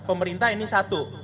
pemerintah ini satu